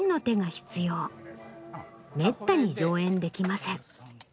めったに上演できません。